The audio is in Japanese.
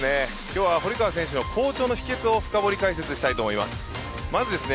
今日は堀川選手の好調の秘訣を深掘り解説したいと思います。